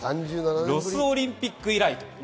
ロスオリンピック以来です。